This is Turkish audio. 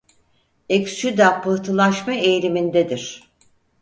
Eksüda pıhtılaşma eğilimindedir.